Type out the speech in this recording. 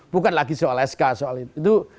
bukan lagi soal sk soal itu